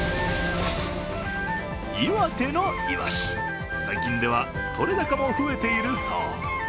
岩手のイワシ、最近では獲れ高も増えているそう。